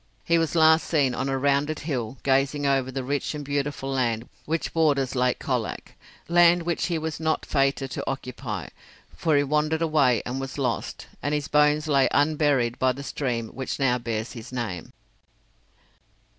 He was last seen on a rounded hill, gazing over the rich and beautiful land which borders Lake Colac; land which he was not fated to occupy, for he wandered away and was lost, and his bones lay unburied by the stream which now bears his name.